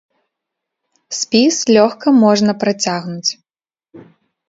Спіс лёгка можна працягнуць.